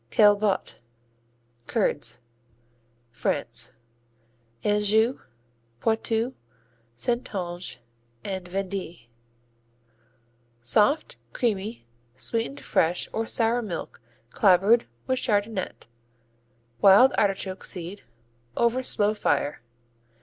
Caillebottes (Curds) France Anjou, Poitou, Saintonge & Vendée Soft, creamy, sweetened fresh or sour milk clabbered with chardonnette, wild artichoke seed, over slow fire.